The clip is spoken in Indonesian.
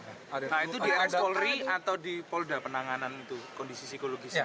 nah itu di ekskuleri atau di polda penanganan itu kondisi psikologis terapinya itu